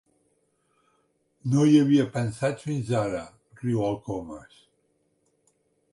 No hi havia pensat fins ara —riu el Comas—.